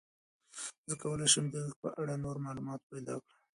زه کولای شم چې د هغې په اړه نور معلومات پیدا کړم.